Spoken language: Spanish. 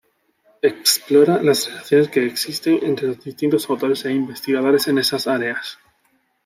Explora las relaciones que existen entre los distintos autores e investigadores en esas áreas.